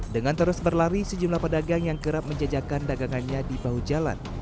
dengan terus berlari sejumlah pedagang yang kerap menjejakan dagangannya di bahu jalan